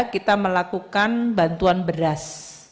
kita melakukan bantuan beras